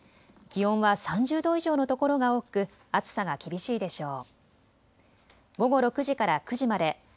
気温は３０度以上の所が多く暑さが厳しいでしょう。